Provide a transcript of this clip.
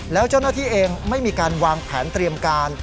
แล้วเจ้าหน้าที่เองไม่มีการวางแผนเตรียมการ